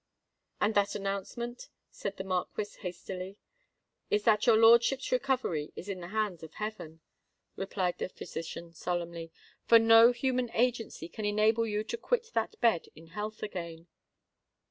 "And that announcement?" said the Marquis, hastily. "Is that your lordship's recovery is in the hands of heaven," replied the physician, solemnly: "for no human agency can enable you to quit that bed in health again."